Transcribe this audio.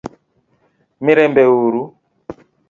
Mirembe uru?